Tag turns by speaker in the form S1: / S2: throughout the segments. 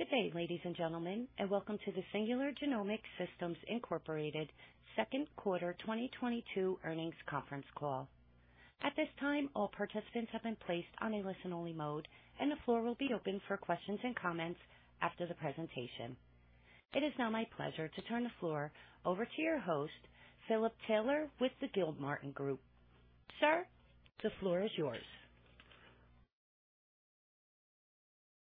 S1: Good day, ladies and gentlemen, and welcome to the Singular Genomics Systems, Inc. Second Quarter 2022 earnings Conference Call. At this time, all participants have been placed on a listen-only mode, and the floor will be open for questions and comments after the presentation. It is now my pleasure to turn the floor over to your host, Philip Taylor, with the Gilmartin Group. Sir, the floor is yours.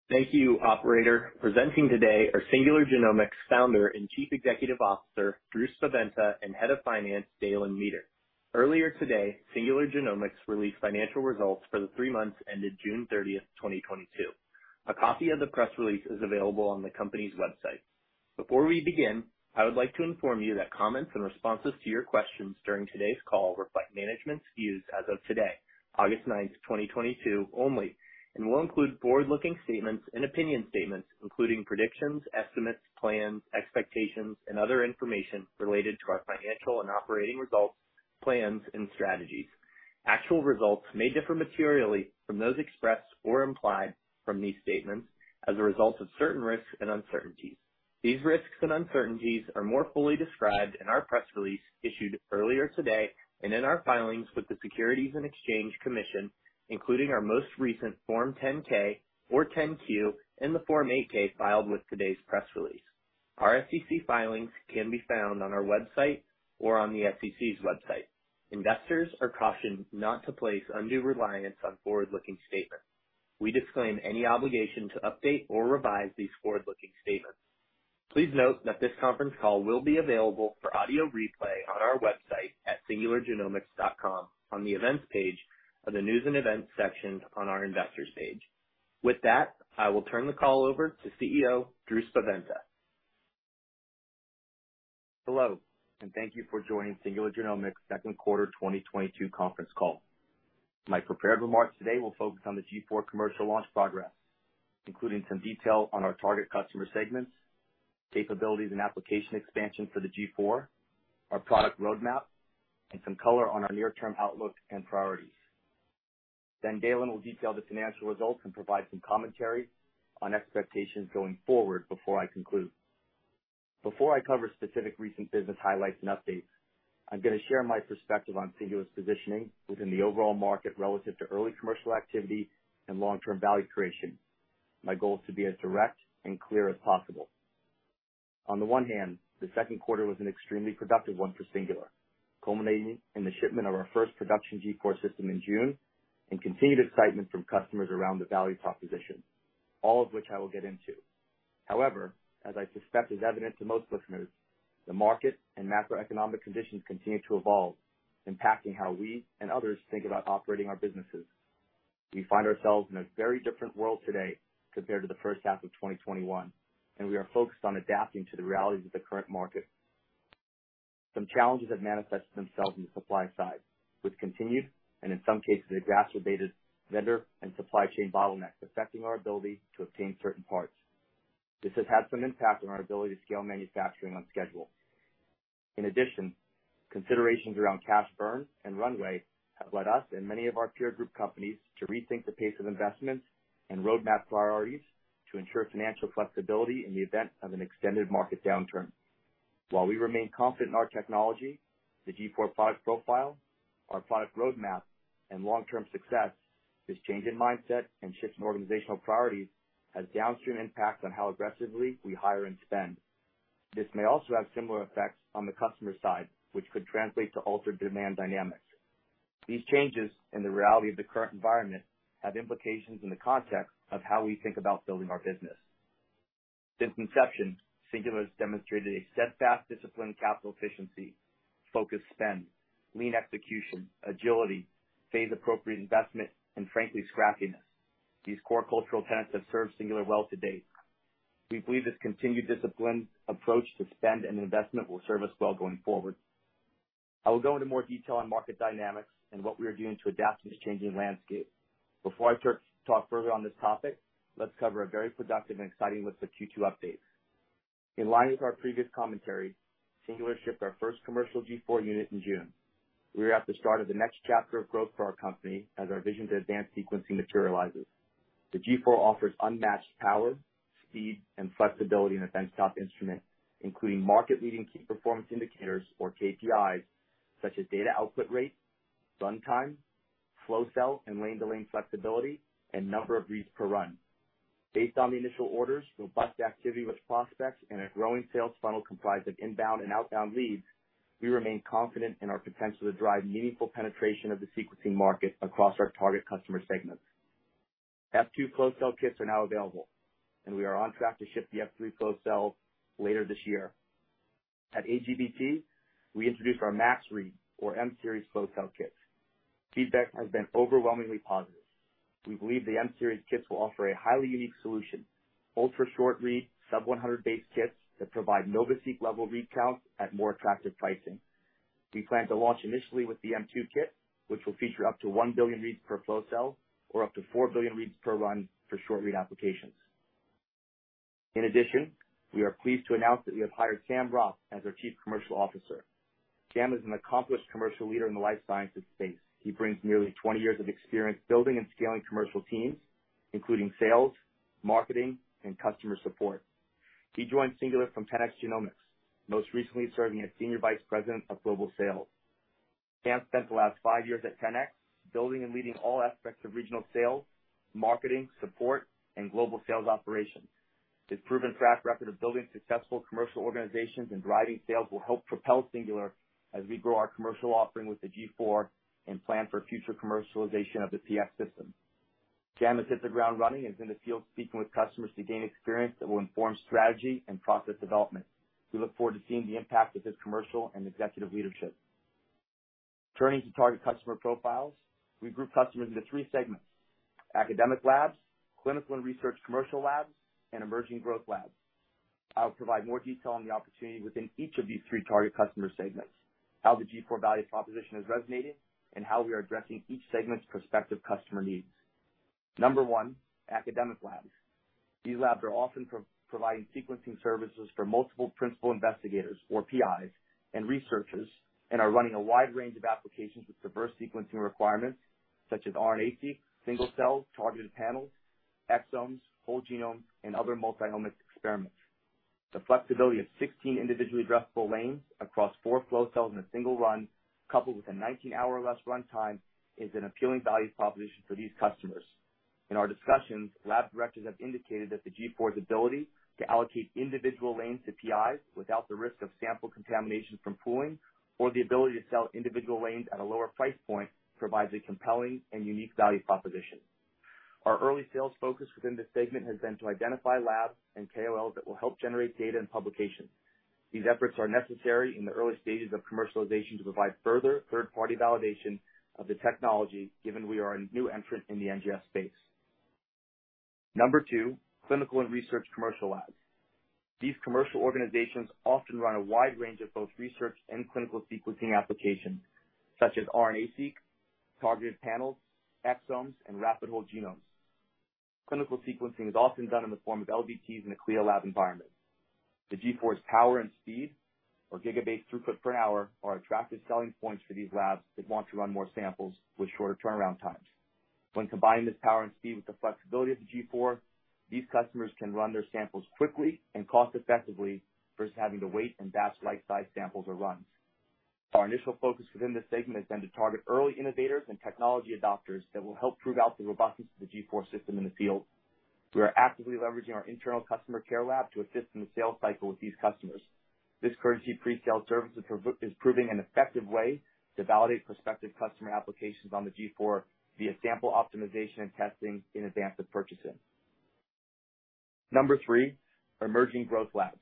S2: Thank you, operator. Presenting today are Singular Genomics Founder and Chief Executive Officer Drew Spaventa, and Head of Finance Dalen Meeter. Earlier today, Singular Genomics released financial results for the three months ended June 30th, 2022. A copy of the press release is available on the company's website. Before we begin, I would like to inform you that comments and responses to your questions during today's call reflect management's views as of today, August 9, 2022 only, and will include forward-looking statements and opinion statements, including predictions, estimates, plans, expectations, and other information related to our financial and operating results, plans, and strategies. Actual results may differ materially from those expressed or implied from these statements as a result of certain risks and uncertainties. These risks and uncertainties are more fully described in our press release issued earlier today and in our filings with the Securities and Exchange Commission, including our most recent Form 10-K or 10-Q and the Form 8-K filed with today's press release. Our SEC filings can be found on our website or on the SEC's website. Investors are cautioned not to place undue reliance on forward-looking statements. We disclaim any obligation to update or revise these forward-looking statements. Please note that this conference call will be available for audio replay on our website at singulargenomics.com on the Events page of the News and Events section on our Investors page. With that, I will turn the call over to CEO Drew Spaventa.
S3: Hello, and thank you for joining Singular Genomics second quarter 2022 conference call. My prepared remarks today will focus on the G4 commercial launch progress, including some detail on our target customer segments, capabilities and application expansion for the G4, our product roadmap, and some color on our near-term outlook and priorities. Dalen will detail the financial results and provide some commentary on expectations going forward before I conclude. Before I cover specific recent business highlights and updates, I'm gonna share my perspective on Singular's positioning within the overall market relative to early commercial activity and long-term value creation. My goal is to be as direct and clear as possible. On the one hand, the second quarter was an extremely productive one for Singular, culminating in the shipment of our first production G4 system in June and continued excitement from customers around the value proposition, all of which I will get into. However, as I suspect is evident to most listeners, the market and macroeconomic conditions continue to evolve, impacting how we and others think about operating our businesses. We find ourselves in a very different world today compared to the first half of 2021, and we are focused on adapting to the realities of the current market. Some challenges have manifested themselves in the supply side, with continued, and in some cases, exacerbated vendor and supply chain bottlenecks affecting our ability to obtain certain parts. This has had some impact on our ability to scale manufacturing on schedule. In addition, considerations around cash burn and runway have led us and many of our peer group companies to rethink the pace of investments and roadmap priorities to ensure financial flexibility in the event of an extended market downturn. While we remain confident in our technology, the G4 product profile, our product roadmap, and long-term success, this change in mindset and shift in organizational priorities has downstream impact on how aggressively we hire and spend. This may also have similar effects on the customer side, which could translate to altered demand dynamics. These changes in the reality of the current environment have implications in the context of how we think about building our business. Since inception, Singular has demonstrated a steadfast discipline, capital efficiency, focused spend, lean execution, agility, phase-appropriate investment, and frankly, scrappiness. These core cultural tenets have served Singular well to date. We believe this continued disciplined approach to spend and investment will serve us well going forward. I will go into more detail on market dynamics and what we are doing to adapt to this changing landscape. Before I talk further on this topic, let's cover a very productive and exciting list of Q2 updates. In line with our previous commentary, Singular shipped our first commercial G4 unit in June. We are at the start of the next chapter of growth for our company as our vision to advance sequencing materializes. The G4 offers unmatched power, speed, and flexibility in a benchtop instrument, including market-leading key performance indicators, or KPIs, such as data output rate, runtime, flow cell, and lane to lane flexibility, and number of reads per run. Based on the initial orders, robust activity with prospects, and a growing sales funnel comprised of inbound and outbound leads, we remain confident in our potential to drive meaningful penetration of the sequencing market across our target customer segments. F2 flow cell kits are now available, and we are on track to ship the F3 flow cell later this year. At AGBT, we introduced our Max Read, or M Series flow cell kits. Feedback has been overwhelmingly positive. We believe the M Series kits will offer a highly unique solution, ultra-short read sub-100 base kits that provide NovaSeq level read counts at more attractive pricing. We plan to launch initially with the M2 kit, which will feature up to 1 billion reads per flow cell or up to 4 billion reads per run for short read applications. In addition, we are pleased to announce that we have hired Sam Ropp as our Chief Commercial Officer. Sam is an accomplished commercial leader in the life sciences space. He brings nearly 20 years of experience building and scaling commercial teams, including sales, marketing, and customer support. He joined Singular from 10x Genomics, most recently serving as Senior Vice President of Global Sales. Sam spent the last five years at 10x building and leading all aspects of regional sales, marketing, support, and global sales operations. His proven track record of building successful commercial organizations and driving sales will help propel Singular as we grow our commercial offering with the G4 and plan for future commercialization of the PX system. Sam has hit the ground running and is in the field speaking with customers to gain experience that will inform strategy and process development. We look forward to seeing the impact of his commercial and executive leadership. Turning to target customer profiles, we group customers into three segments: academic labs, clinical and research commercial labs, and emerging growth labs. I'll provide more detail on the opportunity within each of these three target customer segments, how the G4 value proposition is resonating, and how we are addressing each segment's prospective customer needs. Number one, academic labs. These labs are often providing sequencing services for multiple principal investigators, or PIs, and researchers, and are running a wide range of applications with diverse sequencing requirements such as RNA-seq, single-cell, targeted panels, exomes, whole genome, and other multi-omics experiments. The flexibility of 16 individually addressable lanes across four flow cells in a single run, coupled with a 19-hour less runtime, is an appealing value proposition for these customers. In our discussions, lab directors have indicated that the G4's ability to allocate individual lanes to PIs without the risk of sample contamination from pooling, or the ability to sell individual lanes at a lower price point, provides a compelling and unique value proposition. Our early sales focus within this segment has been to identify labs and KOLs that will help generate data and publications. These efforts are necessary in the early stages of commercialization to provide further third-party validation of the technology, given we are a new entrant in the NGS space. Number two, clinical and research commercial labs. These commercial organizations often run a wide range of both research and clinical sequencing applications such as RNA-seq, targeted panels, exomes, and rapid whole genomes. Clinical sequencing is often done in the form of LDTs in a CLIA lab environment. The G4's power and speed, or gigabase throughput per hour, are attractive selling points for these labs that want to run more samples with shorter turnaround times. When combining this power and speed with the flexibility of the G4, these customers can run their samples quickly and cost effectively versus having to wait and batch life-size samples or runs. Our initial focus within this segment has been to target early innovators and technology adopters that will help prove out the robustness of the G4 system in the field. We are actively leveraging our internal customer care lab to assist in the sales cycle with these customers. This courtesy presale services is proving an effective way to validate prospective customer applications on the G4 via sample optimization and testing in advance of purchasing. Number three, emerging growth labs.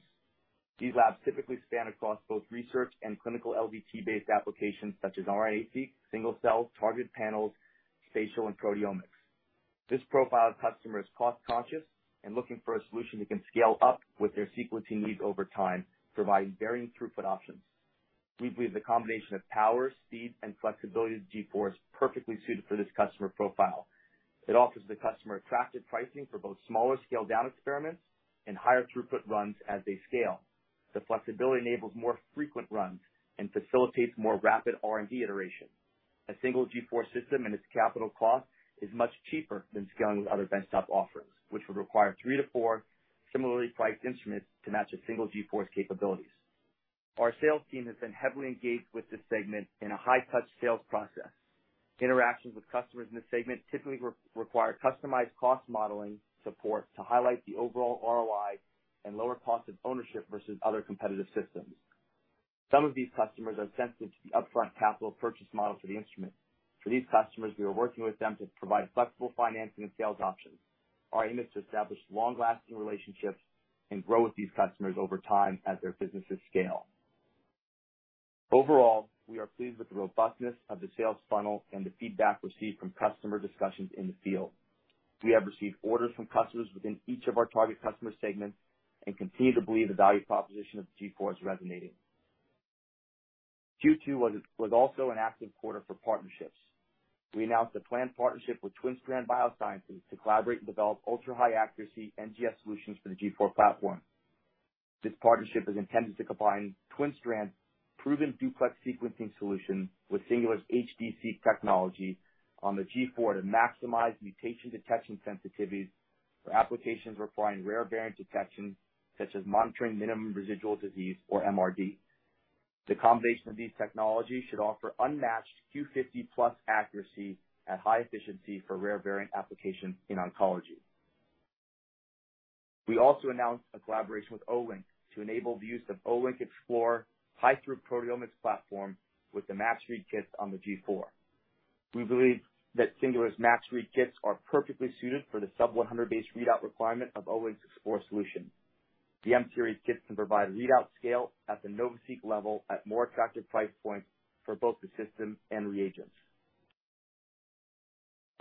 S3: These labs typically span across both research and clinical LDT-based applications such as RNA-seq, single cell, targeted panels, spatial and proteomics. This profile of customer is cost-conscious and looking for a solution that can scale up with their sequencing needs over time, providing varying throughput options. We believe the combination of power, speed, and flexibility of G4 is perfectly suited for this customer profile. It offers the customer attractive pricing for both smaller scale down experiments and higher throughput runs as they scale. The flexibility enables more frequent runs and facilitates more rapid R&D iteration. A single G4 system and its capital cost is much cheaper than scaling with other benchtop offerings, which would require three to four similarly priced instruments to match a single G4's capabilities. Our sales team has been heavily engaged with this segment in a high-touch sales process. Interactions with customers in this segment typically require customized cost modeling support to highlight the overall ROI and lower cost of ownership versus other competitive systems. Some of these customers are sensitive to the upfront capital purchase model for the instrument. For these customers, we are working with them to provide flexible financing and sales options. Our aim is to establish long-lasting relationships and grow with these customers over time as their businesses scale. Overall, we are pleased with the robustness of the sales funnel and the feedback received from customer discussions in the field. We have received orders from customers within each of our target customer segments and continue to believe the value proposition of the G4 is resonating. Q2 was also an active quarter for partnerships. We announced a planned partnership with TwinStrand Biosciences to collaborate and develop ultra-high accuracy NGS solutions for the G4 platform. This partnership is intended to combine TwinStrand's proven duplex sequencing solution with Singular's HD-Seq technology on the G4 to maximize mutation detection sensitivity for applications requiring rare variant detection, such as monitoring minimum residual disease or MRD. The combination of these technologies should offer unmatched Q50 plus accuracy at high efficiency for rare variant applications in oncology. We also announced a collaboration with Olink to enable the use of Olink Explore high throughput proteomics platform with the Max Read kits on the G4. We believe that Singular's Max Read kits are perfectly suited for the sub 100 base readout requirement of Olink Explore. The M Series kits can provide readout scale at the NovaSeq level at more attractive price points for both the system and reagents.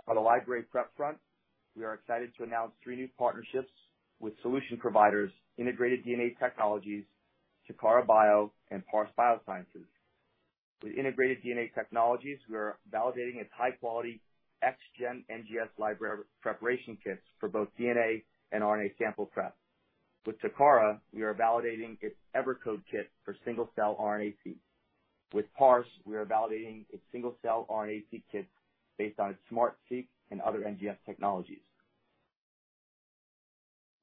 S3: On the library prep front, we are excited to announce three new partnerships with solution providers Integrated DNA Technologies, Takara Bio, and Parse Biosciences. With Integrated DNA Technologies, we are validating its high quality xGen NGS library preparation kits for both DNA and RNA sample prep. With Takara, we are validating its Evercode kit for single-cell RNA-seq. With Parse, we are validating its single-cell RNA-seq kit based on its SMART-Seq and other NGS technologies.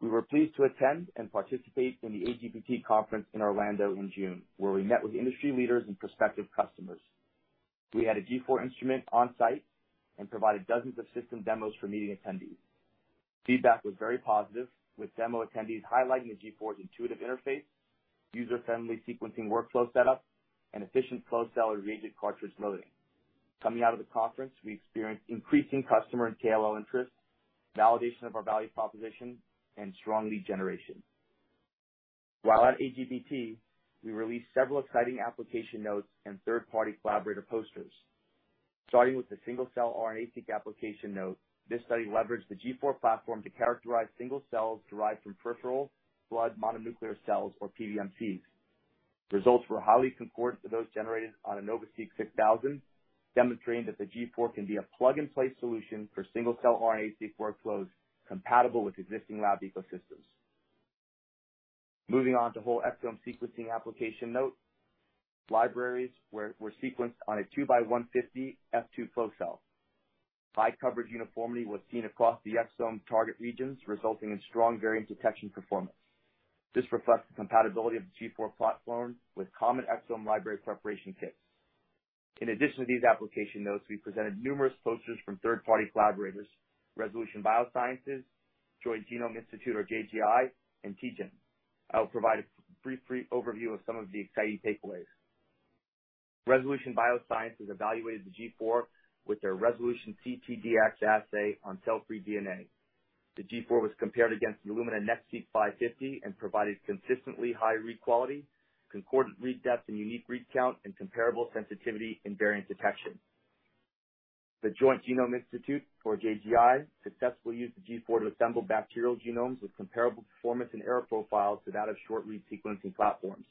S3: We were pleased to attend and participate in the AGBT conference in Orlando in June, where we met with industry leaders and prospective customers. We had a G4 instrument on site and provided dozens of system demos for meeting attendees. Feedback was very positive, with demo attendees highlighting the G4's intuitive interface, user-friendly sequencing workflow setup, and efficient closed cell reagent cartridge loading. Coming out of the conference, we experienced increasing customer and KOL interest, validation of our value proposition, and strong lead generation. While at AGBT, we released several exciting application notes and third-party collaborator posters. Starting with the single-cell RNA-seq application note, this study leveraged the G4 platform to characterize single cells derived from peripheral blood mononuclear cells, or PBMCs. Results were highly concordant to those generated on a NovaSeq 6000, demonstrating that the G4 can be a plug-and-play solution for single-cell RNA-seq workflows compatible with existing lab ecosystems. Moving on to whole exome sequencing application note. Libraries were sequenced on a 2 by 150 F2 flow cell. High coverage uniformity was seen across the exome target regions, resulting in strong variant detection performance. This reflects the compatibility of the G4 platform with common exome library preparation kits. In addition to these application notes, we presented numerous posters from third-party collaborators, Resolution Bioscience, Joint Genome Institute or JGI, and Tecan. I will provide a brief overview of some of the exciting takeaways. Resolution Bioscience evaluated the G4 with their Resolution ctDx assay on cell-free DNA. The G4 was compared against the Illumina NextSeq 550 and provided consistently high read quality, concordant read depth and unique read count, and comparable sensitivity in variant detection. The Joint Genome Institute, or JGI, successfully used the G4 to assemble bacterial genomes with comparable performance and error profiles to that of short read sequencing platforms.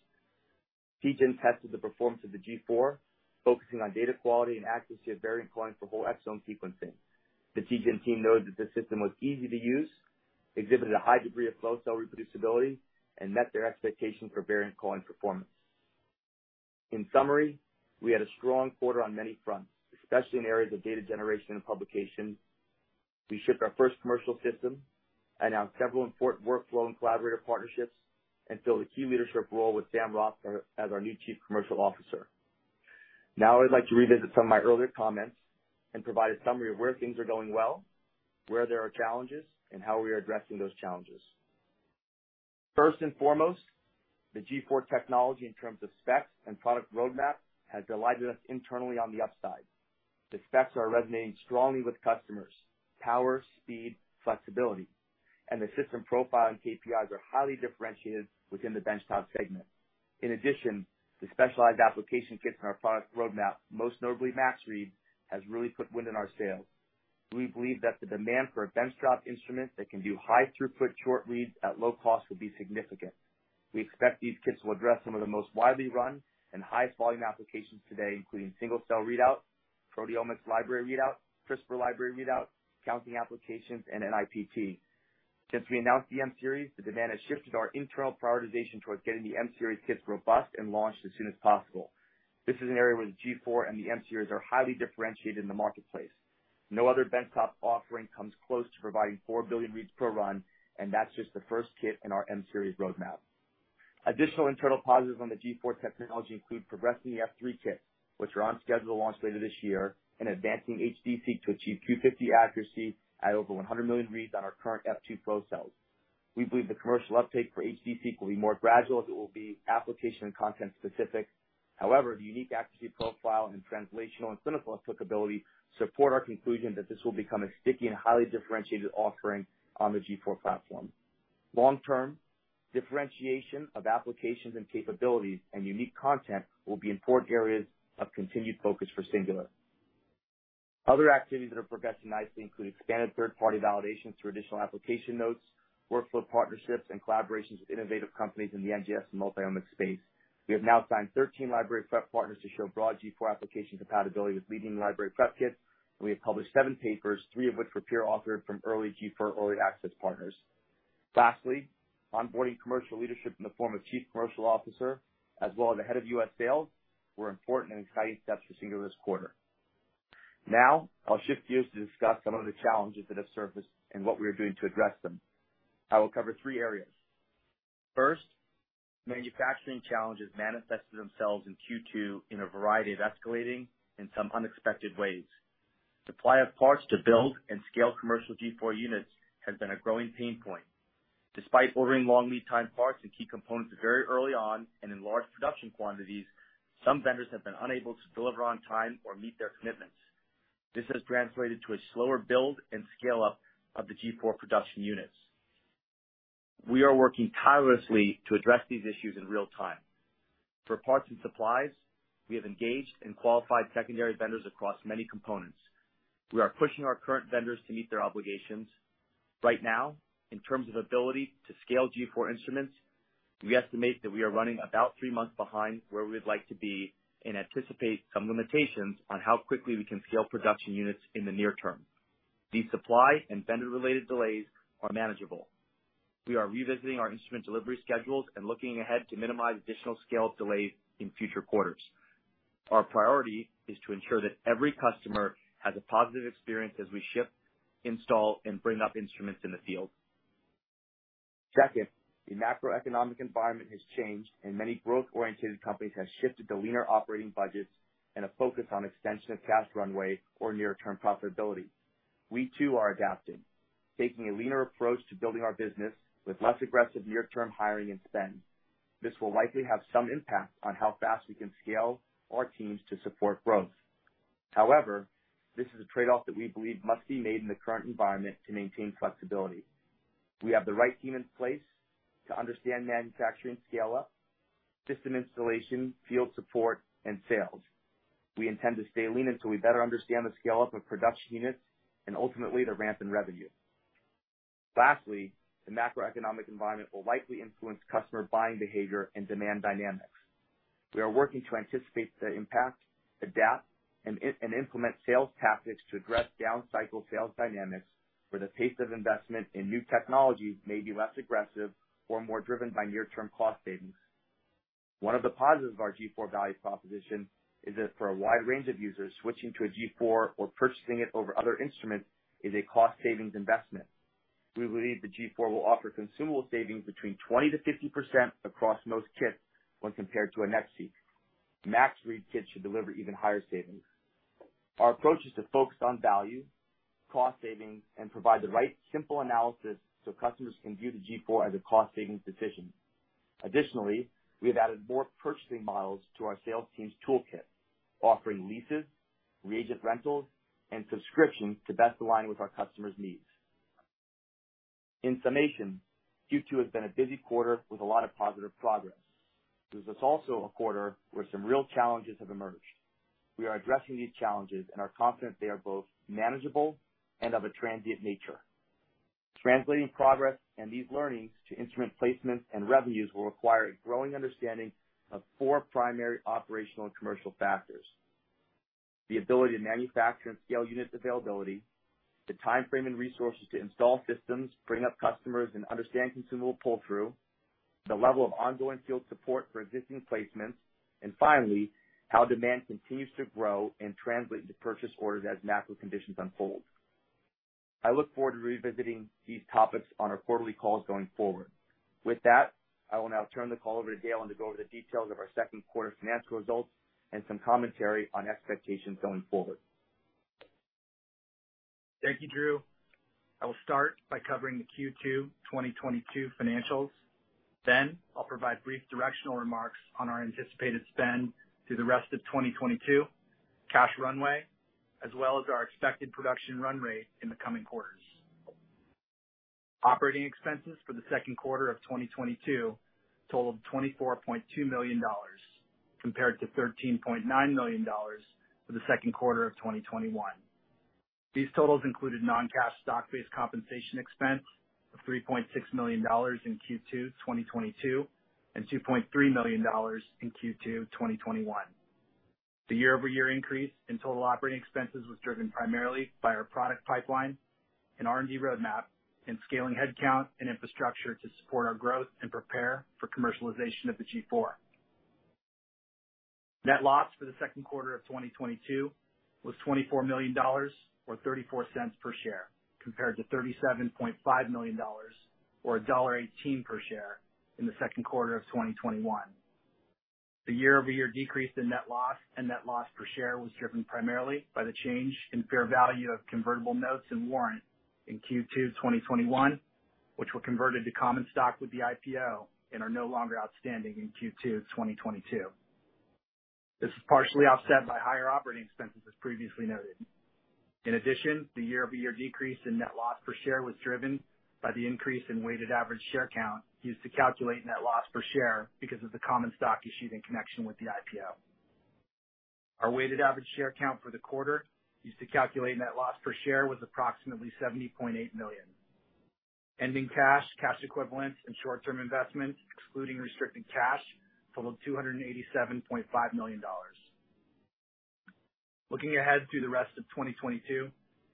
S3: Tecan tested the performance of the G4, focusing on data quality and accuracy of variant calling for whole exome sequencing. The Tecan team noted that the system was easy to use, exhibited a high degree of flow cell reproducibility, and met their expectations for variant calling performance. In summary, we had a strong quarter on many fronts, especially in areas of data generation and publication. We shipped our first commercial system, announced several important workflow and collaborator partnerships, and filled a key leadership role with Sam Ropp as our new Chief Commercial Officer. Now, I'd like to revisit some of my earlier comments and provide a summary of where things are going well, where there are challenges, and how we are addressing those challenges. First and foremost, the G4 technology in terms of specs and product roadmap has delighted us internally on the upside. The specs are resonating strongly with customers. Power, speed, flexibility, and the system profile and KPIs are highly differentiated within the benchtop segment. In addition, the specialized application kits in our product roadmap, most notably Max Read, has really put wind in our sails. We believe that the demand for a benchtop instrument that can do high throughput short reads at low cost will be significant. We expect these kits will address some of the most widely run and highest volume applications today, including single-cell readout, proteomics library readout, CRISPR library readout, counting applications, and NIPT. Since we announced the M Series, the demand has shifted our internal prioritization towards getting the M Series kits robust and launched as soon as possible. This is an area where the G4 and the M Series are highly differentiated in the marketplace. No other benchtop offering comes close to providing 4 billion reads per run, and that's just the first kit in our M Series roadmap. Additional internal positives on the G4 technology include progressing the F3 kits, which are on schedule to launch later this year, and advancing HD-Seq to achieve 250 accuracy at over 100 million reads on our current F2 flow cells. We believe the commercial uptake for HD-Seq will be more gradual, as it will be application and content specific. However, the unique accuracy profile and translational and clinical applicability support our conclusion that this will become a sticky and highly differentiated offering on the G4 platform. Long term, differentiation of applications and capabilities and unique content will be important areas of continued focus for Singular. Other activities that are progressing nicely include expanded third-party validation through additional application notes, workflow partnerships, and collaborations with innovative companies in the NGS and multi-omics space. We have now signed 13 library prep partners to show broad G4 application compatibility with leading library prep kits, and we have published seven papers, three of which were peer authored from early G4 early access partners. Lastly, onboarding commercial leadership in the form of Chief Commercial Officer as well as the Head of U.S. Sales were important and exciting steps for Singular this quarter. Now, I'll shift gears to discuss some of the challenges that have surfaced and what we are doing to address them. I will cover three areas. First, manufacturing challenges manifested themselves in Q2 in a variety of escalating and some unexpected ways. Supply of parts to build and scale commercial G4 units has been a growing pain point. Despite ordering long lead time parts and key components very early on and in large production quantities, some vendors have been unable to deliver on time or meet their commitments. This has translated to a slower build and scale-up of the G4 production units. We are working tirelessly to address these issues in real time. For parts and supplies, we have engaged in qualified secondary vendors across many components. We are pushing our current vendors to meet their obligations. Right now, in terms of ability to scale G4 instruments, we estimate that we are running about three months behind where we'd like to be and anticipate some limitations on how quickly we can scale production units in the near term. These supply and vendor-related delays are manageable. We are revisiting our instrument delivery schedules and looking ahead to minimize additional scale delays in future quarters. Our priority is to ensure that every customer has a positive experience as we ship, install, and bring up instruments in the field. Second, the macroeconomic environment has changed, and many growth-oriented companies have shifted to leaner operating budgets and a focus on extension of cash runway or near-term profitability. We too are adapting, taking a leaner approach to building our business with less aggressive near-term hiring and spend. This will likely have some impact on how fast we can scale our teams to support growth. However, this is a trade-off that we believe must be made in the current environment to maintain flexibility. We have the right team in place to understand manufacturing scale-up, system installation, field support, and sales. We intend to stay lean until we better understand the scale-up of production units and ultimately the ramp in revenue. Lastly, the macroeconomic environment will likely influence customer buying behavior and demand dynamics. We are working to anticipate the impact, adapt, and implement sales tactics to address down cycle sales dynamics where the pace of investment in new technologies may be less aggressive or more driven by near-term cost savings. One of the positives of our G4 value proposition is that for a wide range of users, switching to a G4 or purchasing it over other instruments is a cost savings investment. We believe the G4 will offer consumable savings between 20%-50% across most kits when compared to a NextSeq. Max Read kits should deliver even higher savings. Our approach is to focus on value, cost savings, and provide the right simple analysis so customers can view the G4 as a cost savings decision. Additionally, we have added more purchasing models to our sales team's toolkit, offering leases, reagent rentals, and subscriptions to best align with our customers' needs. In summation, Q2 has been a busy quarter with a lot of positive progress. It was also a quarter where some real challenges have emerged. We are addressing these challenges and are confident they are both manageable and of a transient nature. Translating progress and these learnings to instrument placements and revenues will require a growing understanding of four primary operational and commercial factors. The ability to manufacture and scale units availability, the timeframe and resources to install systems, bring up customers and understand consumable pull-through, the level of ongoing field support for existing placements, and finally, how demand continues to grow and translate into purchase orders as macro conditions unfold. I look forward to revisiting these topics on our quarterly calls going forward. With that, I will now turn the call over to Dalen to go over the details of our second quarter financial results and some commentary on expectations going forward.
S4: Thank you, Drew. I will start by covering the Q2 2022 financials. I'll provide brief directional remarks on our anticipated spend through the rest of 2022, cash runway, as well as our expected production run rate in the coming quarters. Operating expenses for the second quarter of 2022 totaled $24.2 million compared to $13.9 million for the second quarter of 2021. These totals included non-cash stock-based compensation expense of $3.6 million in Q2 2022, and $2.3 million in Q2 2021. The year-over-year increase in total operating expenses was driven primarily by our product pipeline and R&D roadmap and scaling headcount and infrastructure to support our growth and prepare for commercialization of the G4. Net loss for the second quarter of 2022 was $24 million or $0.34 per share, compared to $37.5 million or $1.18 per share in the second quarter of 2021. The year-over-year decrease in net loss and net loss per share was driven primarily by the change in fair value of convertible notes and warrants in Q2 2021, which were converted to common stock with the IPO and are no longer outstanding in Q2 2022. This is partially offset by higher operating expenses, as previously noted. In addition, the year-over-year decrease in net loss per share was driven by the increase in weighted average share count used to calculate net loss per share because of the common stock issued in connection with the IPO. Our weighted average share count for the quarter used to calculate net loss per share was approximately 70.8 million. Ending cash equivalents and short-term investments, excluding restricted cash, totaled $287.5 million. Looking ahead through the rest of 2022,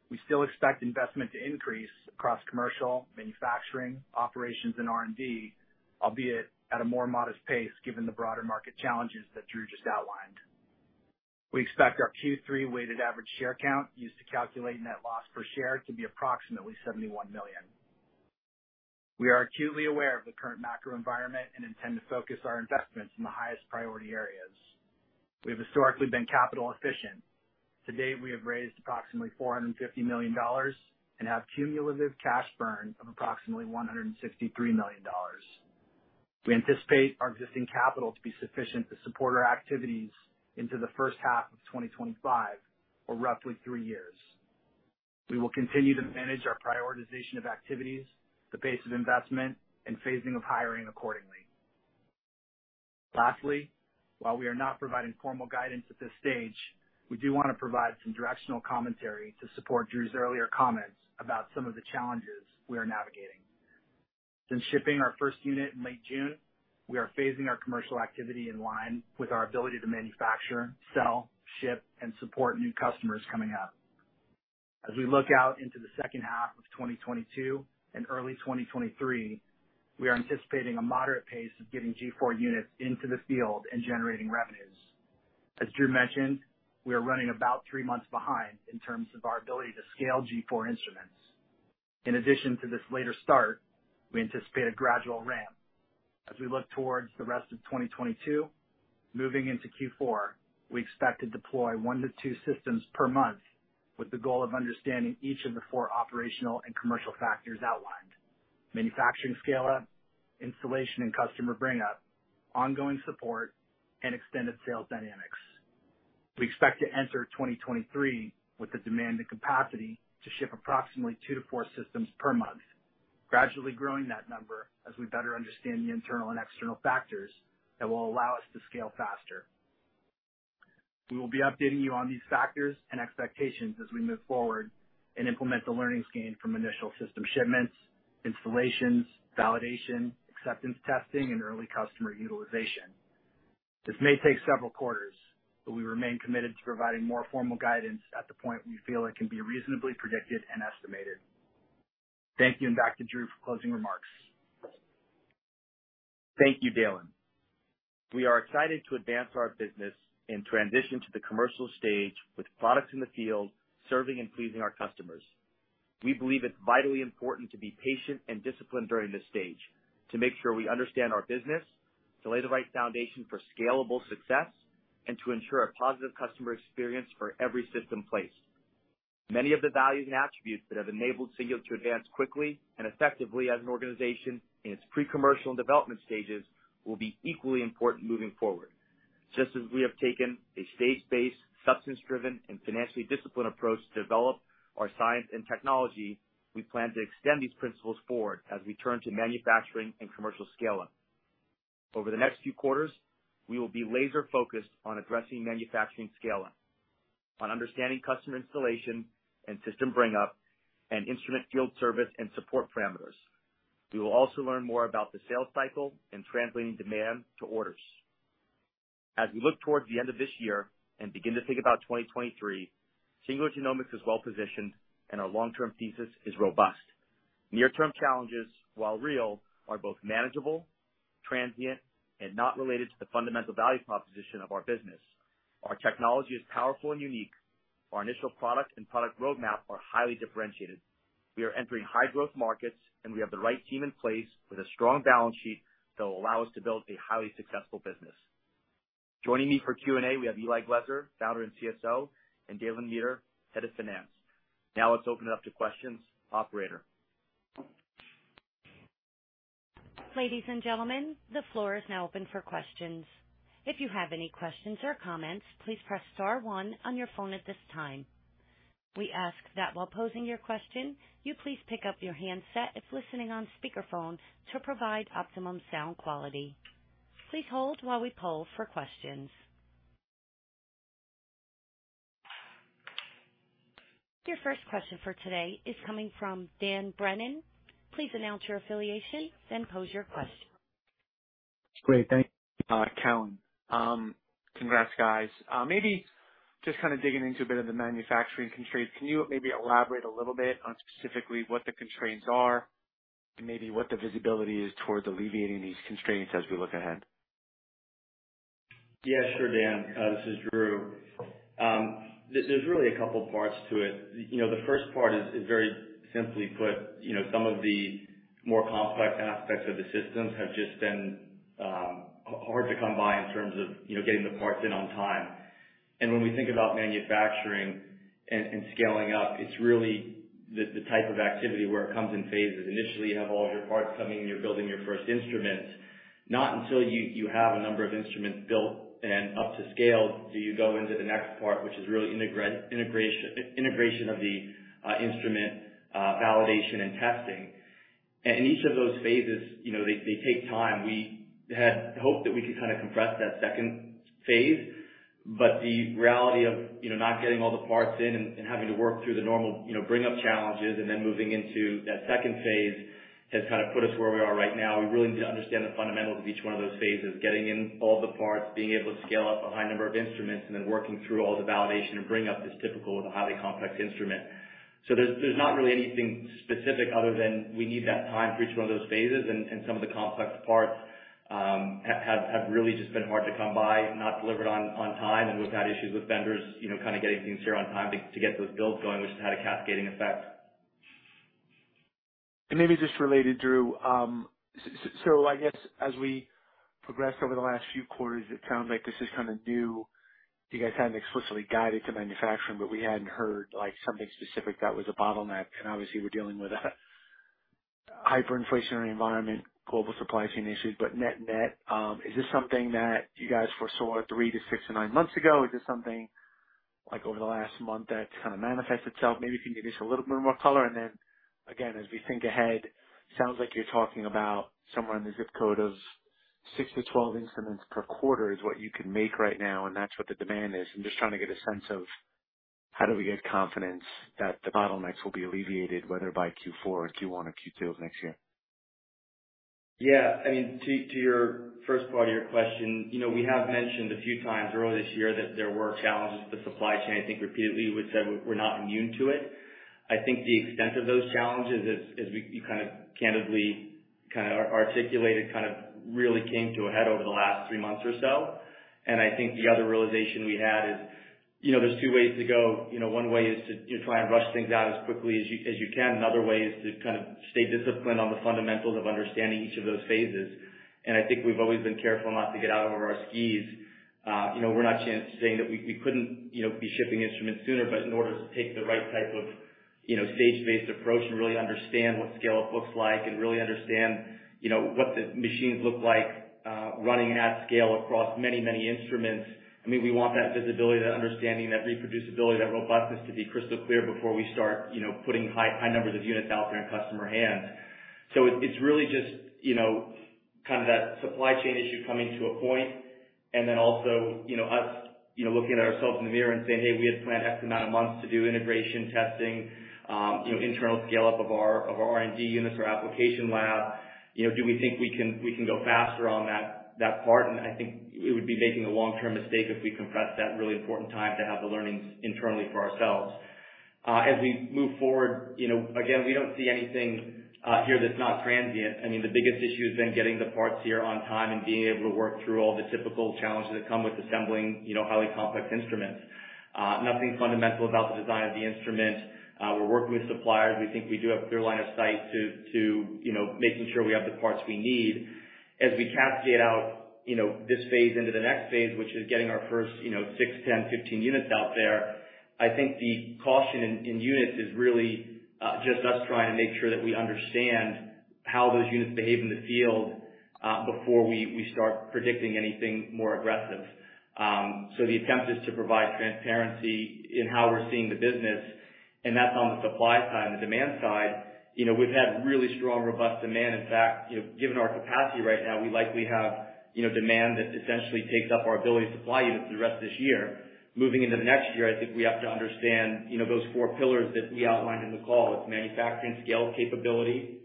S4: we still expect investment to increase across commercial, manufacturing, operations and R&D, albeit at a more modest pace given the broader market challenges that Drew just outlined. We expect our Q3 weighted average share count used to calculate net loss per share to be approximately 71 million. We are acutely aware of the current macro environment and intend to focus our investments in the highest priority areas. We have historically been capital efficient. To date, we have raised approximately $450 million and have cumulative cash burn of approximately $163 million. We anticipate our existing capital to be sufficient to support our activities into the first half of 2025, or roughly three years. We will continue to manage our prioritization of activities, the pace of investment, and phasing of hiring accordingly. Lastly, while we are not providing formal guidance at this stage, we do want to provide some directional commentary to support Drew's earlier comments about some of the challenges we are navigating. Since shipping our first unit in late June, we are phasing our commercial activity in line with our ability to manufacture, sell, ship, and support new customers coming up. As we look out into the second half of 2022 and early 2023, we are anticipating a moderate pace of getting G4 units into the field and generating revenues. As Drew mentioned, we are running about three months behind in terms of our ability to scale G4 instruments. In addition to this later start, we anticipate a gradual ramp. As we look towards the rest of 2022, moving into Q4, we expect to deploy 1-2 systems per month with the goal of understanding each of the four operational and commercial factors outlined. Manufacturing scale up, installation and customer bring up, ongoing support, and extended sales dynamics. We expect to enter 2023 with the demand and capacity to ship approximately 2-4 systems per month, gradually growing that number as we better understand the internal and external factors that will allow us to scale faster. We will be updating you on these factors and expectations as we move forward and implement the learnings from initial system shipments, installations, validation, acceptance testing, and early customer utilization. This may take several quarters, but we remain committed to providing more formal guidance at the point we feel it can be reasonably predicted and estimated. Thank you, and back to Drew for closing remarks.
S3: Thank you, Dalen Meeter. We are excited to advance our business and transition to the commercial stage with products in the field serving and pleasing our customers. We believe it's vitally important to be patient and disciplined during this stage to make sure we understand our business, to lay the right foundation for scalable success, and to ensure a positive customer experience for every system placed. Many of the values and attributes that have enabled Singular to advance quickly and effectively as an organization in its pre-commercial and development stages will be equally important moving forward. Just as we have taken a stage-based, substance-driven, and financially disciplined approach to develop our science and technology, we plan to extend these principles forward as we turn to manufacturing and commercial scale up. Over the next few quarters, we will be laser focused on addressing manufacturing scale up, on understanding customer installation and system bring up, and instrument field service and support parameters. We will also learn more about the sales cycle and translating demand to orders. As we look towards the end of this year and begin to think about 2023, Singular Genomics is well positioned and our long-term thesis is robust. Near-term challenges, while real, are both manageable, transient, and not related to the fundamental value proposition of our business. Our technology is powerful and unique. Our initial product and product roadmap are highly differentiated. We are entering high growth markets, and we have the right team in place with a strong balance sheet that will allow us to build a highly successful business. Joining me for Q&A, we have Eli Glezer, founder and CSO, and Dalen Meeter, Head of Finance. Now let's open it up to questions. Operator.
S1: Ladies and gentlemen, the floor is now open for questions. If you have any questions or comments, please press star one on your phone at this time. We ask that while posing your question, you please pick up your handset if listening on speakerphone to provide optimum sound quality. Please hold while we poll for questions. Your first question for today is coming from Dan Brennan. Please announce your affiliation, then pose your question.
S5: Great. Thank you. [inaudible] Congrats, guys. Maybe just kind of digging into a bit of the manufacturing constraints, can you maybe elaborate a little bit on specifically what the constraints are and maybe what the visibility is towards alleviating these constraints as we look ahead?
S3: Yeah, sure, Dan. This is Drew. There's really a couple parts to it. You know, the first part is very simply put, you know, some of the more complex aspects of the systems have just been hard to come by in terms of, you know, getting the parts in on time. When we think about manufacturing and scaling up, it's really the type of activity where it comes in phases. Initially, you have all of your parts coming in, you're building your first instrument. Not until you have a number of instruments built and up to scale do you go into the next part, which is really integration of the instrument, validation and testing. Each of those phases, you know, they take time. We had hoped that we could kind of compress that second phase, but the reality of, you know, not getting all the parts in and having to work through the normal, you know, bring up challenges and then moving into that second phase has kind of put us where we are right now. We really need to understand the fundamentals of each one of those phases. Getting in all the parts, being able to scale up a high number of instruments, and then working through all the validation and bring up that's typical with a highly complex instrument. There's not really anything specific other than we need that time for each one of those phases and some of the complex parts have really just been hard to come by and not delivered on time. We've had issues with vendors, you know, kind of getting things here on time to get those builds going, which has had a cascading effect.
S5: Maybe just related, Drew. So I guess as we progressed over the last few quarters, it sounds like this is kind of new. You guys hadn't explicitly guided to manufacturing, but we hadn't heard, like, something specific that was a bottleneck. Obviously we're dealing with a hyperinflationary environment, global supply chain issues. But net net, is this something that you guys foresaw three to six to nine months ago? Or is this something like over the last month that's kind of manifest itself. Maybe if you can give us a little bit more color. Again, as we think ahead, sounds like you're talking about somewhere in the ZIP Code of six to 12 instruments per quarter is what you can make right now, and that's what the demand is. I'm just trying to get a sense of how do we get confidence that the bottlenecks will be alleviated, whether by Q4 or Q1 or Q2 of next year?
S3: Yeah, I mean, to your first part of your question, you know, we have mentioned a few times early this year that there were challenges with supply chain. I think repeatedly we said we're not immune to it. I think the extent of those challenges is we kind of candidly kind of articulated kind of really came to a head over the last three months or so. I think the other realization we had is, you know, there's two ways to go. You know, one way is to, you know, try and rush things out as quickly as you can, another way is to kind of stay disciplined on the fundamentals of understanding each of those phases. I think we've always been careful not to get out over our skis. You know, we're not saying that we couldn't, you know, be shipping instruments sooner, but in order to take the right type of, you know, stage-based approach and really understand what scale-up looks like and really understand, you know, what the machines look like running at scale across many instruments. I mean, we want that visibility, that understanding, that reproducibility, that robustness to be crystal clear before we start, you know, putting high numbers of units out there in customer hands. It's really just, you know, kind of that supply chain issue coming to a point. Then also, you know, us looking at ourselves in the mirror and saying, "Hey, we had planned X amount of months to do integration testing, you know, internal scale-up of our R&D units or application lab. You know, do we think we can go faster on that part?" I think we would be making a long-term mistake if we compress that really important time to have the learnings internally for ourselves. As we move forward, you know, again, we don't see anything here that's not transient. I mean, the biggest issue has been getting the parts here on time and being able to work through all the typical challenges that come with assembling, you know, highly complex instruments. Nothing fundamental about the design of the instrument. We're working with suppliers. We think we do have clear line of sight to, you know, making sure we have the parts we need. As we cascade out, you know, this phase into the next phase, which is getting our first, you know, six, 10, 15 units out there. I think the caution in units is really just us trying to make sure that we understand how those units behave in the field before we start predicting anything more aggressive. The attempt is to provide transparency in how we're seeing the business, and that's on the supply side. On the demand side, you know, we've had really strong, robust demand. In fact, you know, given our capacity right now, we likely have, you know, demand that essentially takes up our ability to supply units for the rest of this year. Moving into next year, I think we have to understand, you know, those four pillars that we outlined in the call. It's manufacturing scale capability.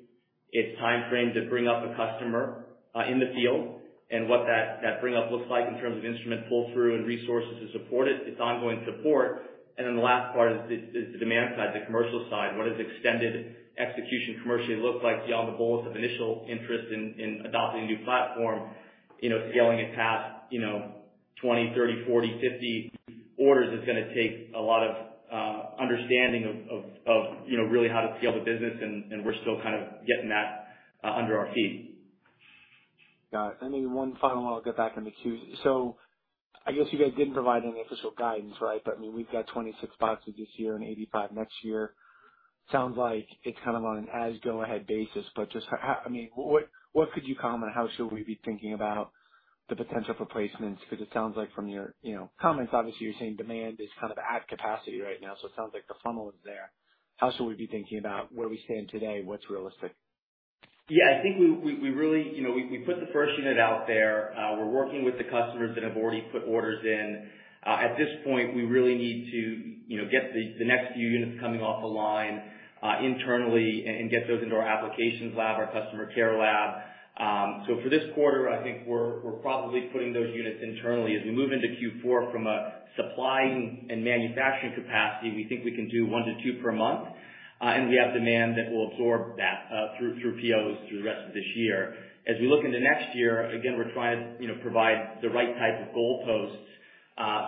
S3: It's time frame to bring up a customer in the field and what that bring up looks like in terms of instrument pull-through and resources to support it. It's ongoing support. The last part is the demand side, the commercial side. What does extended execution commercially look like beyond the bullets of initial interest in adopting a new platform? You know, scaling it past, you know, 20, 30, 40, 50 orders is gonna take a lot of understanding of, you know, really how to scale the business, and we're still kind of getting that under our feet.
S5: Got it. Then one final one, I'll get back on the queue. I guess you guys didn't provide any official guidance, right? I mean, we've got 26 boxes this year and 85 next year. Sounds like it's kind of on an as go ahead basis, but just how. I mean, what could you comment on how should we be thinking about the potential for placements? 'Cause it sounds like from your, you know, comments, obviously you're saying demand is kind of at capacity right now, so it sounds like the funnel is there. How should we be thinking about where we stand today, what's realistic?
S3: Yeah, I think we really, you know, we put the first unit out there. We're working with the customers that have already put orders in. At this point, we really need to, you know, get the next few units coming off the line internally and get those into our applications lab, our customer care lab. So for this quarter, I think we're probably putting those units internally. As we move into Q4 from a supplying and manufacturing capacity, we think we can do one to two per month, and we have demand that will absorb that through POs through the rest of this year. As we look into next year, again, we're trying to, you know, provide the right type of goalposts.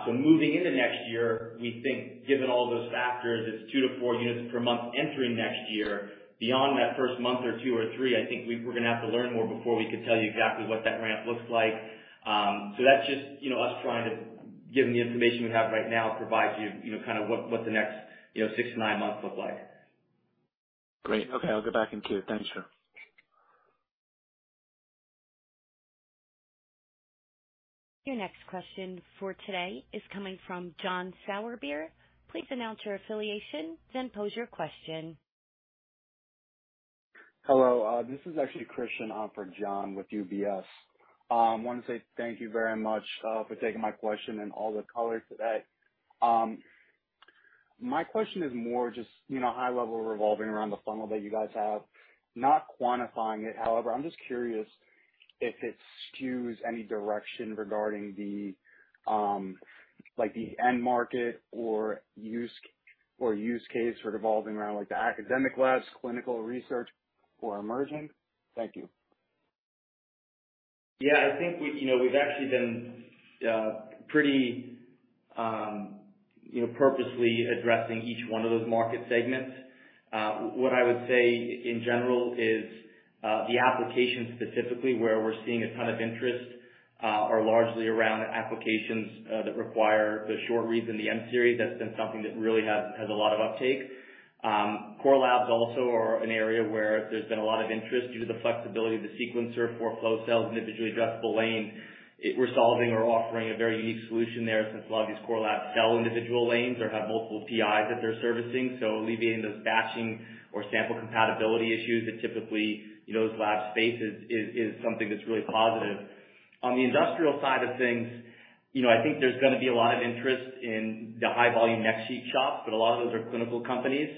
S3: Moving into next year, we think given all those factors, it's two to four units per month entering next year. Beyond that first month or two or three, I think we're gonna have to learn more before we could tell you exactly what that ramp looks like. That's just, you know, us trying to, given the information we have right now, provide you know, kind of what the next, you know, six to nine months look like.
S5: Great. Okay, I'll get back in queue. Thank you, sir.
S1: Your next question for today is coming from John Sourbeer. Please announce your affiliation, then pose your question.
S6: Hello. This is actually Christian for John with UBS. Want to say thank you very much for taking my question and all the color today. My question is more just, you know, high level revolving around the funnel that you guys have. Not quantifying it, however. I'm just curious if it skews any direction regarding the, like, the end market or use case revolving around, like, the academic labs, clinical research or emerging. Thank you.
S3: Yeah, I think we, you know, we've actually been pretty, you know, purposely addressing each one of those market segments. What I would say in general is the applications specifically where we're seeing a ton of interest are largely around applications that require the short reads in the M Series. That's been something that really has a lot of uptake. Core labs also are an area where there's been a lot of interest due to the flexibility of the sequencer, four flow cells, individually adjustable lane. We're solving or offering a very unique solution there since a lot of these core labs sell individual lanes or have multiple PIs that they're servicing. Alleviating those batching or sample compatibility issues that typically, you know, those lab spaces is something that's really positive. On the industrial side of things, you know, I think there's gonna be a lot of interest in the high volume NextSeq shops, but a lot of those are clinical companies.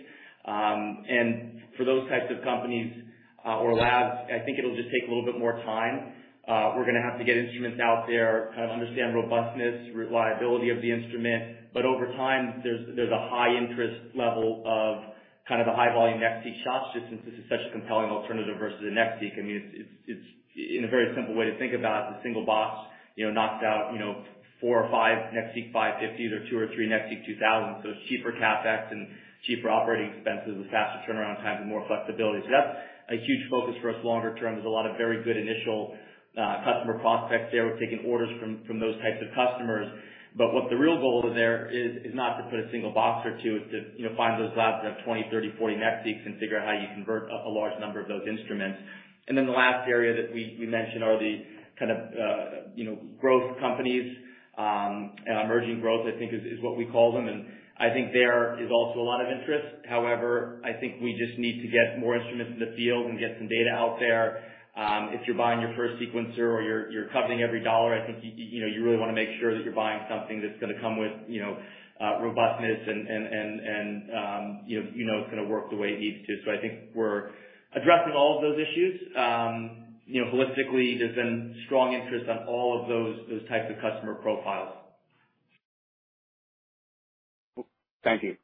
S3: For those types of companies, or labs, I think it'll just take a little bit more time. We're gonna have to get instruments out there, kind of understand robustness, reliability of the instrument. Over time, there's a high interest level of kind of the high volume NextSeq shops, just since this is such a compelling alternative versus a NextSeq. I mean, it's in a very simple way to think about it's a single box, you know, knocks out, you know, four or five NextSeq 550s or two or three NextSeq 2000. It's cheaper CapEx and cheaper operating expenses with faster turnaround times and more flexibility. That's a huge focus for us longer term. There's a lot of very good initial customer prospects there. We're taking orders from those types of customers. What the real goal there is not to put a single box or two. It's to, you know, find those labs that have 20, 30, 40 NextSeq and figure out how you convert a large number of those instruments. The last area that we mentioned are the kind of, you know, growth companies, emerging growth, I think is what we call them. I think there is also a lot of interest. However, I think we just need to get more instruments in the field and get some data out there. If you're buying your first sequencer or you're covering every dollar, I think you know, you really wanna make sure that you're buying something that's gonna come with, you know, robustness and, you know, you know it's gonna work the way it needs to. I think we're addressing all of those issues. You know, holistically, there's been strong interest on all of those types of customer profiles. Thank you.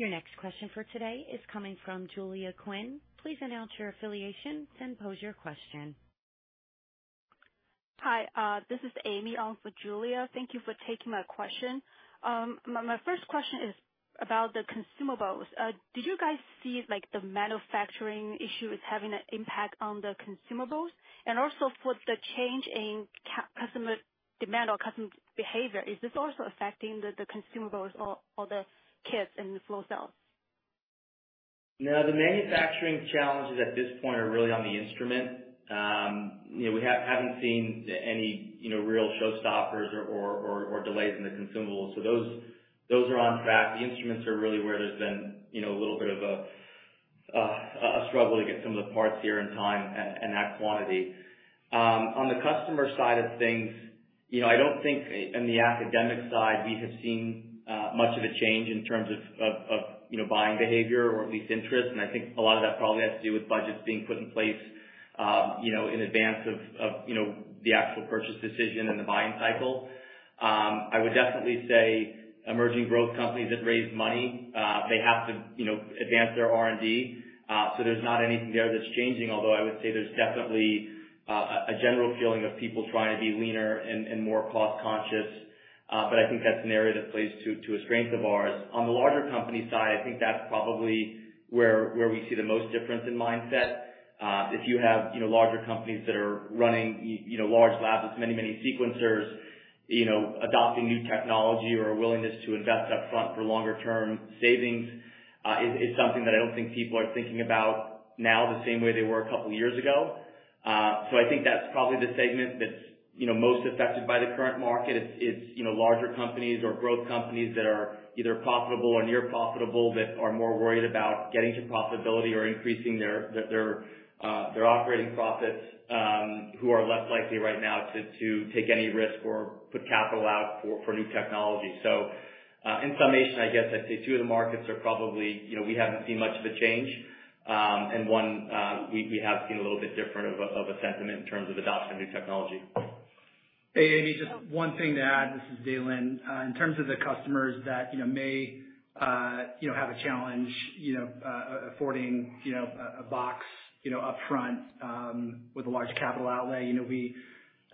S1: Your next question for today is coming from Julia Quinn. Please announce your affiliation, then pose your question.
S7: Hi, this is Amy on for Julia. Thank you for taking my question. My first question is about the consumables. Did you guys see like the manufacturing issue is having an impact on the consumables? Also for the change in customer demand or customer behavior, is this also affecting the consumables or the kits and the flow cells?
S3: No, the manufacturing challenges at this point are really on the instrument. You know, we haven't seen any, you know, real show stoppers or delays in the consumables. So those are on track. The instruments are really where there's been, you know, a little bit of a struggle to get some of the parts here in time and at quantity. On the customer side of things, you know, I don't think on the academic side we have seen much of a change in terms of, you know, buying behavior or at least interest. I think a lot of that probably has to do with budgets being put in place, you know, in advance of, you know, the actual purchase decision and the buying cycle. I would definitely say emerging growth companies that raise money, they have to, you know, advance their R&D. There's not anything there that's changing, although I would say there's definitely a general feeling of people trying to be leaner and more cost conscious. I think that's an area that plays to a strength of ours. On the larger company side, I think that's probably where we see the most difference in mindset. If you have, you know, larger companies that are running you know, large labs with many sequencers, you know, adopting new technology or a willingness to invest up front for longer term savings is something that I don't think people are thinking about now the same way they were a couple years ago. I think that's probably the segment that's, you know, most affected by the current market. It's larger companies or growth companies that are either profitable or near profitable that are more worried about getting to profitability or increasing their operating profits who are less likely right now to take any risk or put capital out for new technology. In summation, I guess I'd say two of the markets are probably, you know, we haven't seen much of a change. One we have seen a little bit different of a sentiment in terms of adoption of new technology.
S4: Hey, Amy, just one thing to add. This is Dalen. In terms of the customers that you know may you know have a challenge you know affording you know a box you know up front with a large capital outlay. You know, we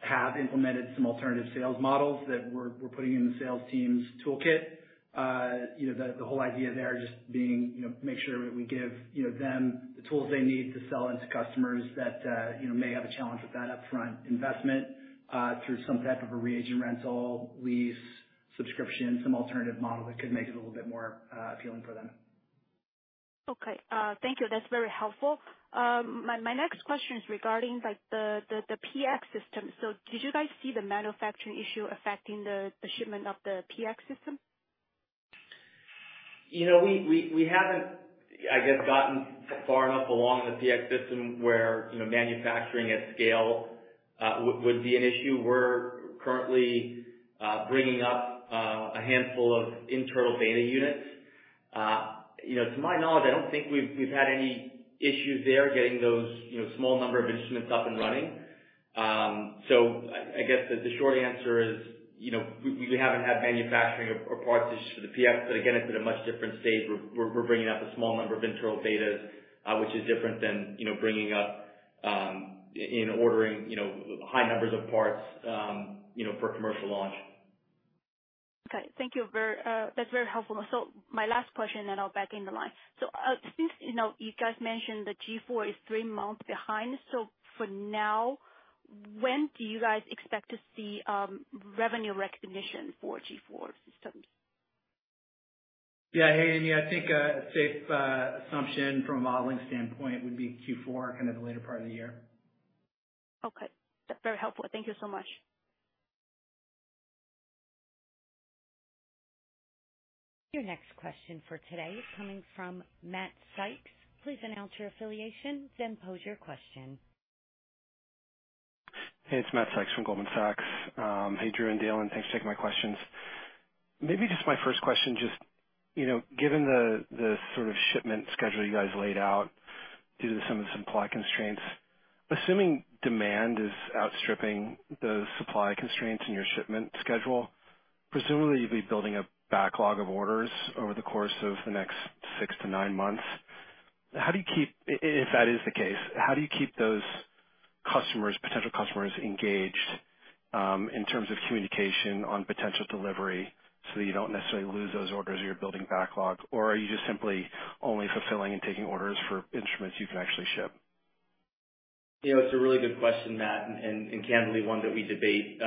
S4: have implemented some alternative sales models that we're putting in the sales team's toolkit. You know, the whole idea there just being you know make sure that we give you know them the tools they need to sell into customers that you know may have a challenge with that upfront investment through some type of a reagent rental, lease, subscription, some alternative model that could make it a little bit more appealing for them.
S7: Okay. Thank you. That's very helpful. My next question is regarding like the PX system. Did you guys see the manufacturing issue affecting the shipment of the PX system?
S3: You know, we haven't gotten far enough along in the PX system where, you know, manufacturing at scale would be an issue. We're currently bringing up a handful of internal beta units. You know, to my knowledge, I don't think we've had any issues there getting those, you know, small number of instruments up and running. I guess the short answer is, you know, we haven't had manufacturing or parts issues for the PX. Again, it's at a much different stage. We're bringing up a small number of internal betas, which is different than, you know, bringing up and ordering, you know, high numbers of parts, you know, for a commercial launch.
S7: Okay. Thank you. That's very helpful. My last question, then I'll go back in the line. Since you know, you guys mentioned the G4 is three months behind, for now, when do you guys expect to see revenue recognition for G4 systems?
S3: Yeah. Hey, Amy. I think, a safe, assumption from a modeling standpoint would be Q4, kind of the later part of the year.
S7: Okay. That's very helpful. Thank you so much.
S1: Your next question for today is coming from Matt Sykes. Please announce your affiliation then pose your question.
S8: Hey, it's Matt Sykes from Goldman Sachs. Hey, Drew and Dalen. Thanks for taking my questions. Maybe just my first question, you know, given the sort of shipment schedule you guys laid out due to some of the supply constraints, assuming demand is outstripping the supply constraints in your shipment schedule, presumably you'll be building a backlog of orders over the course of the next six to nine months. How do you keep those customers, potential customers engaged, in terms of communication on potential delivery so you don't necessarily lose those orders you're building backlog? Or are you just simply only fulfilling and taking orders for instruments you can actually ship?
S3: You know, it's a really good question, Matt, and candidly one that we debate,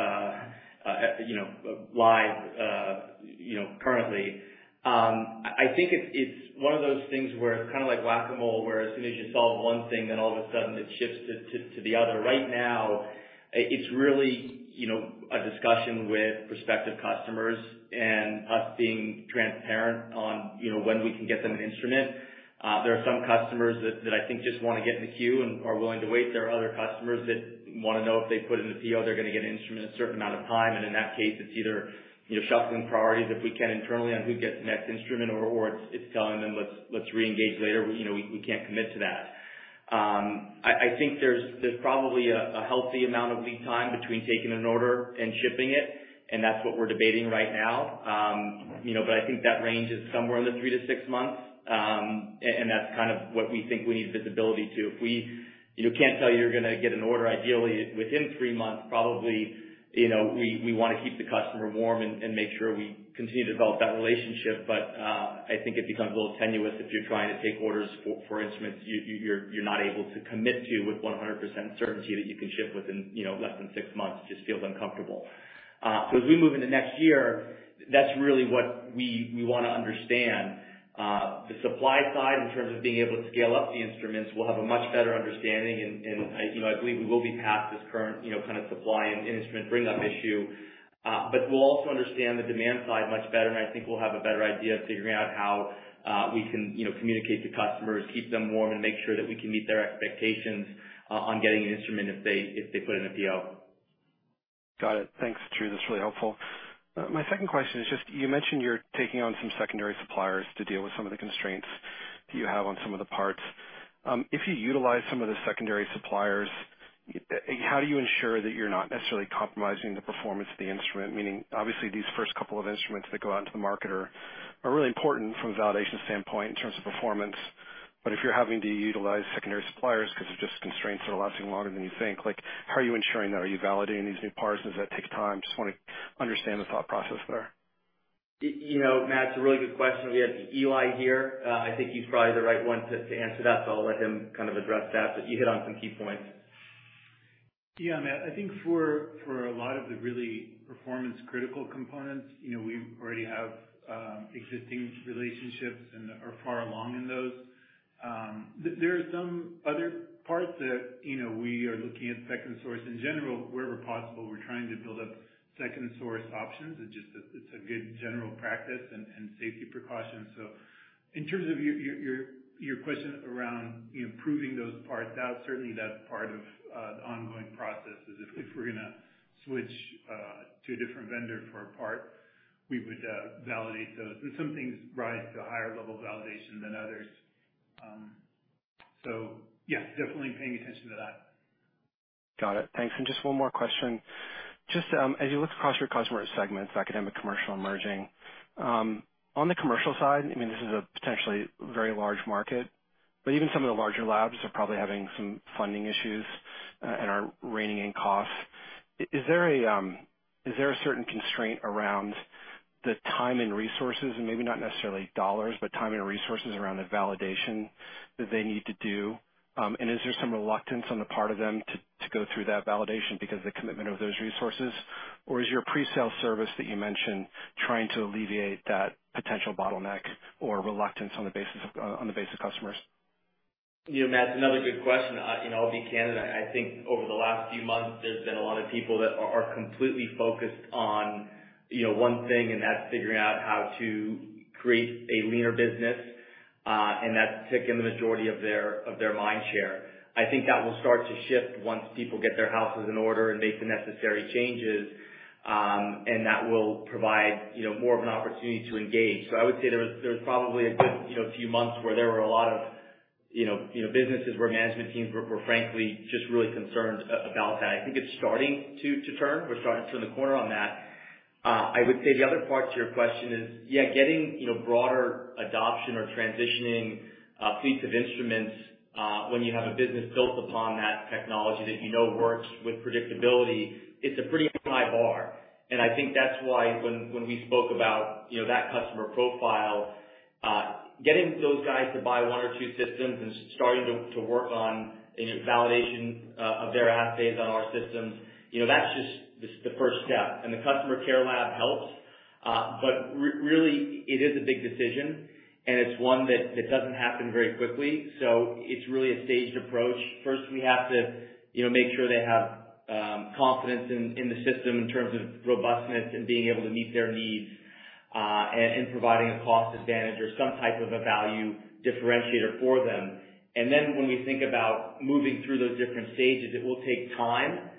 S3: you know, live, you know, currently. I think it's one of those things where it's kind of like whack-a-mole, where as soon as you solve one thing, then all of a sudden it shifts to the other. Right now, it's really, you know, a discussion with prospective customers and us being transparent on, you know, when we can get them an instrument. There are some customers that I think just wanna get in the queue and are willing to wait. There are other customers that wanna know if they put in a PO, they're gonna get an instrument a certain amount of time. In that case, it's either shuffling priorities if we can internally on who gets the next instrument or it's done and let's reengage later. We can't commit to that. I think there's probably a healthy amount of lead time between taking an order and shipping it, and that's what we're debating right now. I think that range is somewhere in the three to six months. That's kind of what we think we need visibility to. If we can't tell you're gonna get an order ideally within three months, probably we wanna keep the customer warm and make sure we continue to develop that relationship. I think it becomes a little tenuous if you're trying to take orders for instruments you're not able to commit to with 100% certainty that you can ship within, you know, less than six months. Just feels uncomfortable. As we move into next year, that's really what we wanna understand. The supply side in terms of being able to scale up the instruments, we'll have a much better understanding and, you know, I believe we will be past this current, you know, kind of supply and instrument bring up issue. We'll also understand the demand side much better, and I think we'll have a better idea of figuring out how we can, you know, communicate to customers, keep them warm, and make sure that we can meet their expectations on getting an instrument if they put in a deal.
S8: Got it. Thanks, Drew. That's really helpful. My second question is just you mentioned you're taking on some secondary suppliers to deal with some of the constraints you have on some of the parts. If you utilize some of the secondary suppliers, how do you ensure that you're not necessarily compromising the performance of the instrument? Meaning obviously these first couple of instruments that go out into the market are really important from a validation standpoint in terms of performance. If you're having to utilize secondary suppliers 'cause of just constraints that are lasting longer than you think, like how are you ensuring that? Are you validating these new parts? Does that take time? Just wanna understand the thought process there.
S3: You know, Matt, it's a really good question. We have Eli here. I think he's probably the right one to answer that, so I'll let him kind of address that. You hit on some key points.
S9: Yeah, Matt, I think for a lot of the really performance critical components, you know, we already have existing relationships and are far along in those. There are some other parts that, you know, we are looking at second source. In general, wherever possible, we're trying to build up second source options. It's just a good general practice and safety precaution. In terms of your question around, you know, proving those parts out, certainly that's part of the ongoing processes. If we're gonna switch to a different vendor for a part, we would validate those. Some things rise to a higher level of validation than others. Yeah, definitely paying attention to that.
S8: Got it. Thanks. Just one more question. Just, as you look across your customer segments, academic, commercial, emerging, on the commercial side, I mean, this is a potentially very large market, but even some of the larger labs are probably having some funding issues, and are reining in costs. Is there a certain constraint around the time and resources and maybe not necessarily dollars, but time and resources around the validation that they need to do? Is there some reluctance on the part of them to go through that validation because the commitment of those resources? Or is your pre-sale service that you mentioned trying to alleviate that potential bottleneck or reluctance on the part of customers?
S3: You know, Matt, it's another good question. You know, I'll be candid. I think over the last few months, there's been a lot of people that are completely focused on, you know, one thing, and that's figuring out how to create a leaner business, and that's taken the majority of their mind share. I think that will start to shift once people get their houses in order and make the necessary changes. And that will provide, you know, more of an opportunity to engage. I would say there was probably a good, you know, few months where there were a lot of businesses where management teams were frankly just really concerned about that. I think it's starting to turn. We're starting to turn the corner on that. I would say the other part to your question is, yeah, getting, you know, broader adoption or transitioning a fleet of instruments, when you have a business built upon that technology that you know works with predictability, it's a pretty high bar. I think that's why when we spoke about, you know, that customer profile, getting those guys to buy one or two systems and starting to work on, you know, validation of their assays on our systems, you know, that's just the first step. The customer care lab helps, but really, it is a big decision, and it's one that doesn't happen very quickly. It's really a staged approach. First, we have to, you know, make sure they have confidence in the system in terms of robustness and being able to meet their needs, and providing a cost advantage or some type of a value differentiator for them. Then when we think about moving through those different stages, it will take time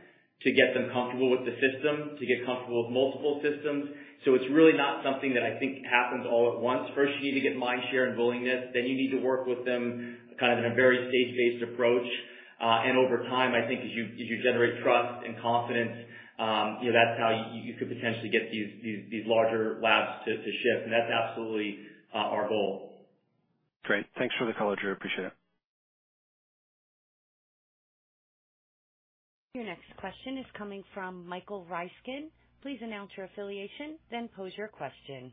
S3: to get them comfortable with the system, to get comfortable with multiple systems. It's really not something that I think happens all at once. First, you need to get mind share and willingness, then you need to work with them kind of in a very stage-based approach. Over time, I think as you generate trust and confidence, you know, that's how you could potentially get these larger labs to shift. That's absolutely our goal.
S10: Great. Thanks for the color, Drew. Appreciate it.
S1: Your next question is coming from Michael Ryskin. Please announce your affiliation, then pose your question.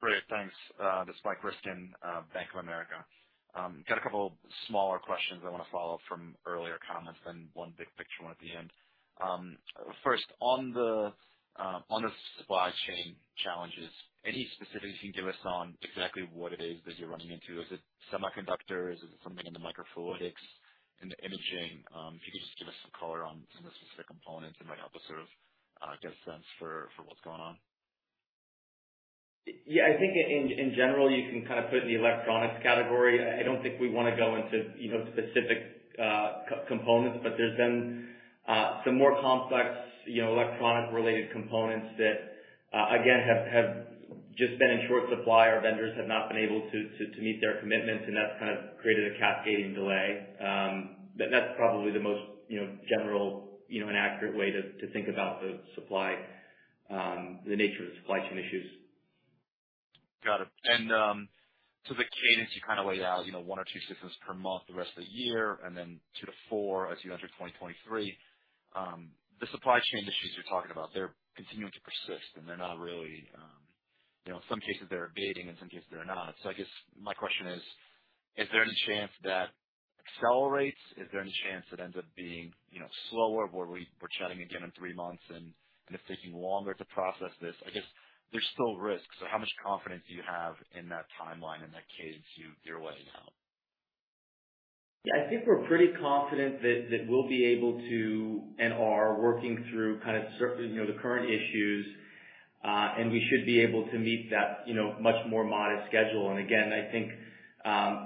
S11: Great. Thanks. This is Michael Ryskin of Bank of America. Got a couple smaller questions I wanna follow up from earlier comments, then one big picture one at the end. First, on the supply chain challenges, any specifics you can give us on exactly what it is that you're running into? Is it semiconductors? Is it something in the microfluidics, in the imaging? If you could just give us some color on some of the specific components, it might help us sort of get a sense for what's going on.
S3: Yeah, I think in general, you can kind of put it in the electronics category. I don't think we wanna go into, you know, specific components, but there's been some more complex, you know, electronic related components that, again, have just been in short supply. Our vendors have not been able to meet their commitments, and that's kind of created a cascading delay. But that's probably the most, you know, general, you know, and accurate way to think about the supply, the nature of the supply chain issues.
S11: Got it. The cadence you kind of laid out, you know, one or two systems per month the rest of the year, and then two to four as you enter 2023. The supply chain issues you're talking about, they're continuing to persist, and they're not really. You know, in some cases they're abating, in some cases they're not. I guess my question is there any chance that accelerates? Is there any chance it ends up being, you know, slower, where we're chatting again in three months and it's taking longer to process this? I guess there's still risks, so how much confidence do you have in that timeline, in that cadence you're laying out?
S3: Yeah, I think we're pretty confident that we'll be able to, and are, working through kind of, you know, the current issues. We should be able to meet that, you know, much more modest schedule. I think,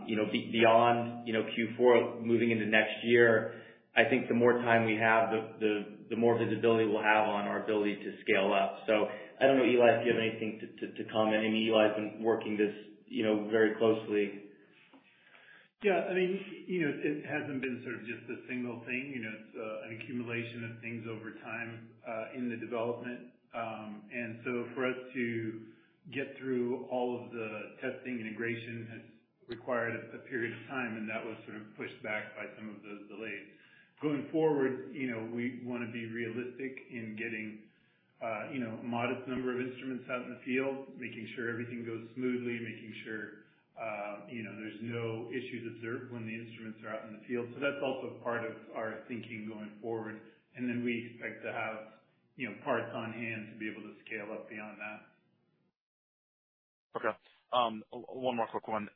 S3: you know, beyond, you know, Q4 moving into next year, I think the more time we have, the more visibility we'll have on our ability to scale up. I don't know, Eli, if you have anything to comment. I mean, Eli's been working this, you know, very closely.
S9: Yeah, I mean, you know, it hasn't been sort of just a single thing. You know, it's an accumulation of things over time in the development. For us to get through all of the testing integration has required a period of time, and that was sort of pushed back by some of the delays. Going forward, you know, we wanna be realistic in getting you know, a modest number of instruments out in the field, making sure everything goes smoothly, making sure you know, there's no issues observed when the instruments are out in the field. That's also part of our thinking going forward. We expect to have, you know, parts on hand to be able to scale up beyond that.
S11: Okay. One more quick one,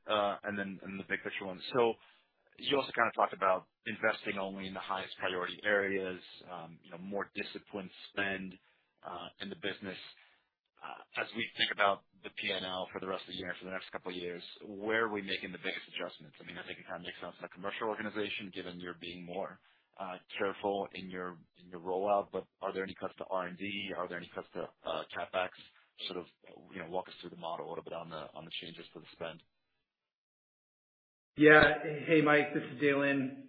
S11: and then the big picture one. You also kind of talked about investing only in the highest priority areas, you know, more disciplined spend in the business. As we think about the P&L for the rest of the year and for the next couple of years, where are we making the biggest adjustments? I mean, I think it kind of makes sense in the commercial organization, given you're being more careful in your rollout, but are there any cuts to R&D? Are there any cuts to CapEx? Sort of, you know, walk us through the model a little bit on the changes for the spend.
S4: Yeah. Hey, Mike, this is Dalen.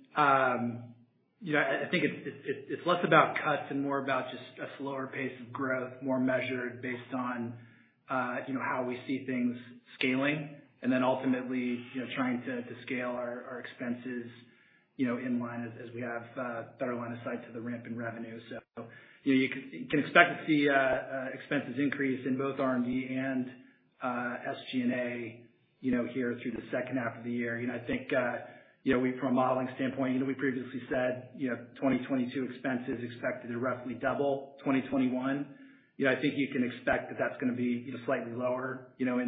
S4: You know, I think it's less about cuts and more about just a slower pace of growth, more measured based on, you know, how we see things scaling, and then ultimately, you know, trying to scale our expenses, you know, in line as we have better line of sight to the ramp in revenue. You know, you can expect to see expenses increase in both R&D and SG&A, you know, here through the second half of the year. You know, I think, you know, we, from a modeling standpoint, you know, we previously said, you know, 2022 expenses expected to roughly double 2021. You know, I think you can expect that that's gonna be, you know, slightly lower, you know,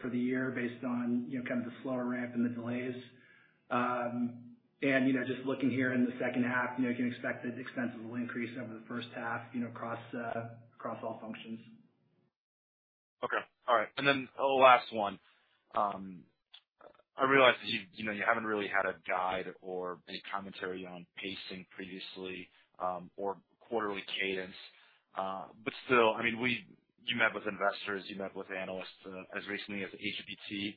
S4: for the year based on, you know, kind of the slower ramp and the delays. You know, just looking here in the second half, you know, you can expect that expenses will increase over the first half, you know, across all functions.
S11: Okay. All right. A last one. I realize that you've, you know, you haven't really had a guide or made commentary on pacing previously, or quarterly cadence. Still, I mean, you met with investors, you met with analysts, as recently as AGBT,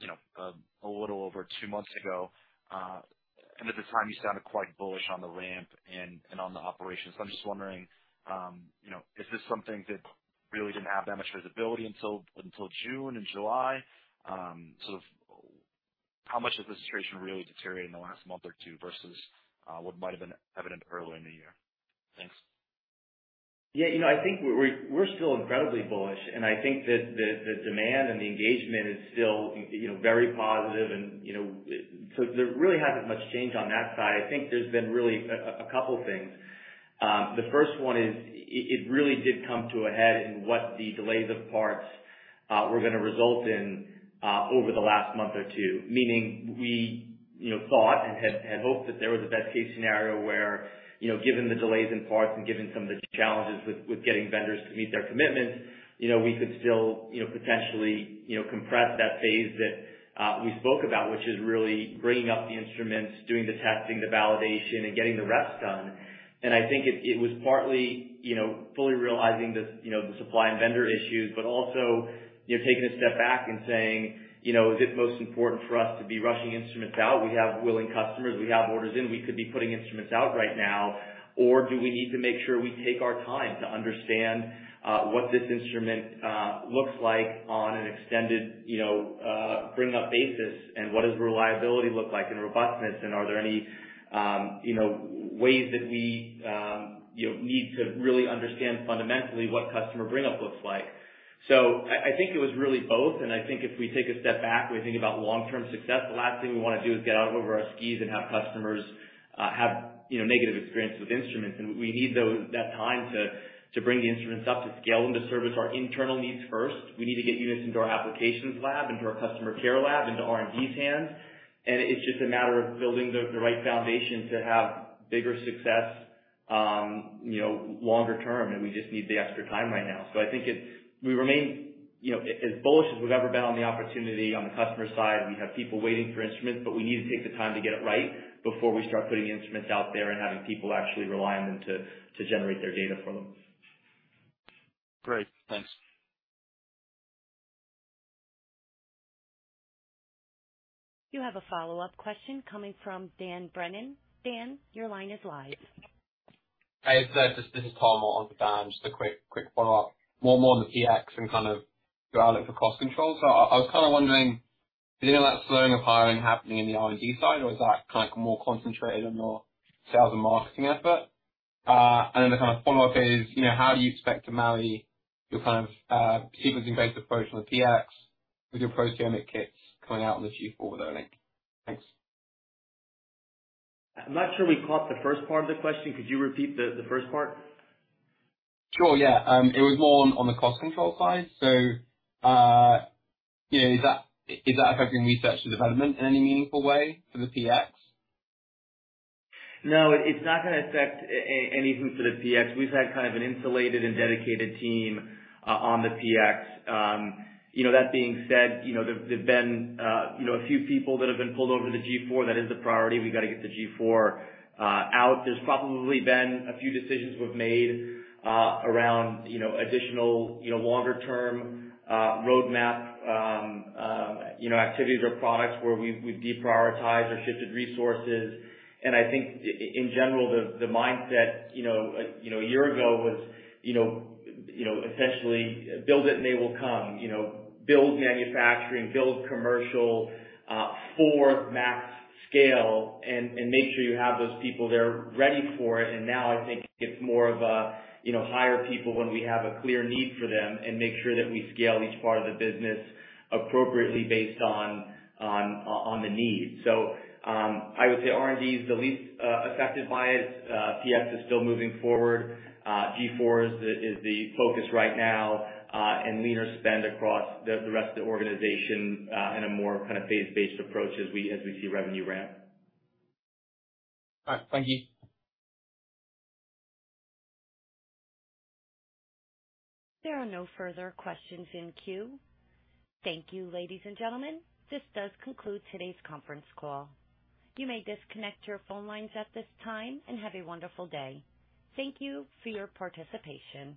S11: you know, a little over two months ago. At the time you sounded quite bullish on the ramp and on the operations. I'm just wondering, you know, is this something that really didn't have that much visibility until June and July? How much has the situation really deteriorated in the last month or two versus what might have been evident earlier in the year? Thanks.
S3: Yeah. You know, I think we're still incredibly bullish. I think that the demand and the engagement is still, you know, very positive and, you know. There really hasn't much changed on that side. I think there's been really a couple things. The first one is, it really did come to a head in what the delays of parts were gonna result in over the last month or two. Meaning we, you know, thought and had hoped that there was a best case scenario where, you know, given the delays in parts and given some of the challenges with getting vendors to meet their commitments, you know, we could still, you know, potentially, you know, compress that phase that we spoke about, which is really bringing up the instruments, doing the testing, the validation, and getting the rest done. I think it was partly, you know, fully realizing the, you know, the supply and vendor issues, but also, you know, taking a step back and saying, you know, is it most important for us to be rushing instruments out? We have willing customers. We have orders in. We could be putting instruments out right now. Do we need to make sure we take our time to understand what this instrument looks like on an extended you know bring up basis? What does reliability look like and robustness? Are there any you know ways that we you know need to really understand fundamentally what customer bring up looks like. I think it was really both, and I think if we take a step back, we think about long-term success, the last thing we wanna do is get out over our skis and have customers have you know negative experiences with instruments. We need that time to bring the instruments up to scale and to service our internal needs first. We need to get units into our applications lab, into our customer care lab, into R&D's hands. It's just a matter of building the right foundation to have bigger success, you know, longer term, and we just need the extra time right now. I think it's. We remain, you know, as bullish as we've ever been on the opportunity on the customer side. We have people waiting for instruments, but we need to take the time to get it right before we start putting instruments out there and having people actually rely on them to generate their data from them.
S11: Great. Thanks.
S1: You have a follow-up question coming from Dan Brennan. Dan, your line is live.
S12: Hey, this is Tom Fitzgerald on for Dan. Just a quick follow-up. More on the PX and kind of your outlook for cost control. I was kind of wondering, is any of that slowing of hiring happening in the R&D side, or is that kind of more concentrated on your sales and marketing effort? The kind of follow-up is, you know, how do you expect to marry your kind of sequencing-based approach on the PX with your proteomic kits coming out on the G4 though, Nick? Thanks.
S3: I'm not sure we caught the first part of the question. Could you repeat the first part?
S12: Sure. Yeah. It was more on the cost control side. You know, is that affecting research and development in any meaningful way for the PX?
S3: No, it's not gonna affect anything for the PX. We've had kind of an insulated and dedicated team on the PX. You know, that being said, you know, there've been a few people that have been pulled over to G4. That is the priority. We've gotta get the G4 out. There's probably been a few decisions we've made around additional longer term roadmap activities or products where we've deprioritized or shifted resources. I think in general, the mindset a year ago was you know essentially build it and they will come. You know, build manufacturing, build commercial for max scale and make sure you have those people there ready for it. Now I think it's more of a, you know, hire people when we have a clear need for them and make sure that we scale each part of the business appropriately based on the need. I would say R&D is the least affected by it. PX is still moving forward. G4 is the focus right now. Leaner spend across the rest of the organization in a more kind of phase-based approach as we see revenue ramp.
S12: All right. Thank you.
S1: There are no further questions in queue. Thank you, ladies and gentlemen. This does conclude today's conference call. You may disconnect your phone lines at this time, and have a wonderful day. Thank you for your participation.